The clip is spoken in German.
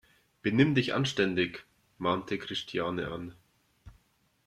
Benimm dich anständig!, mahnte Christiane an.